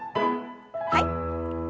はい。